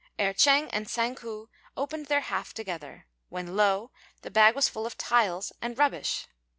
Erh ch'êng and Tsang ku opened their half together, when lo! the bag was full of tiles and rubbish.